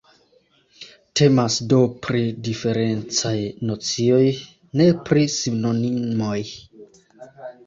Temas do pri diferencaj nocioj, ne pri sinonimoj.